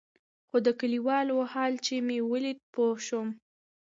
خو د كليوالو حال چې مې ولېد پوه سوم.